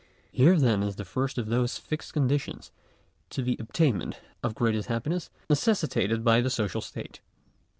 Here then is the first of those fixed con ditions to the obtainment of greatest happiness, necessitated by the social state.